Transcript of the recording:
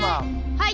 はい。